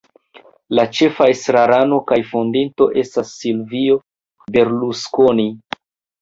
La ĉefa estrarano kaj fondinto estas Silvio Berlusconi.